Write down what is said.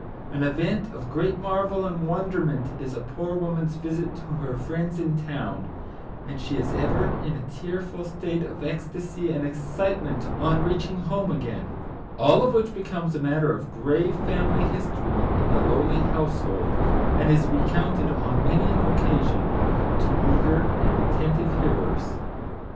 An event of great marvel and wonder ment is a poor woman's visit to her friends in town, and she is ever in a tearful state of ecstasy and excitement on reaching home again; all of which becomes a matter of grave family history in the lowly household, and is recounted on many an occasion to eager and attentive hearers.